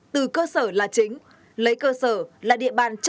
từ cơ sở là chính